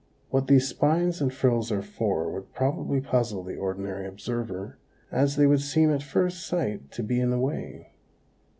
What these spines and frills are for would probably puzzle the ordinary observer, as they would seem at first sight to be in the way.